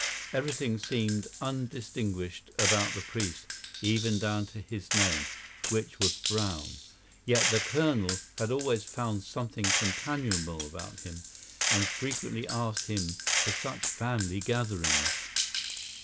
Everything seemed undistinguished about the priest, even down to his name, which was Brown; yet the colonel had always found something companionable about him, and frequently asked him to such family gatherings.